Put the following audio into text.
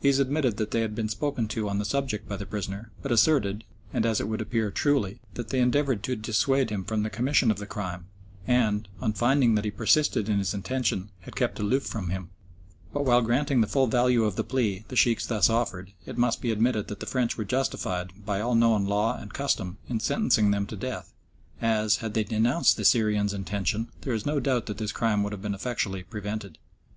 These admitted that they had been spoken to on the subject by the prisoner, but asserted, and as it would appear truly, that they had endeavoured to dissuade him from the commission of the crime, and, on finding that he persisted in his intention, had kept aloof from him; but while granting the full value of the plea the Sheikhs thus offered, it must be admitted that the French were justified, by all known law and custom, in sentencing them to death, as, had they denounced the Syrian's intention, there is no doubt but that his crime would have been effectually prevented.